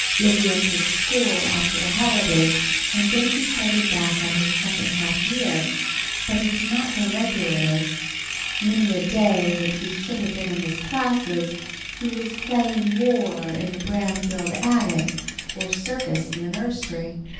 Libby entered school after the holidays, and Benjy started back on his second half year, but he did not go regularly. Many a day when he should have been in his classes, he was playing War in the Branfield attic, or Circus in the nursery.